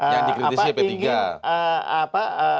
yang dikritisnya p tiga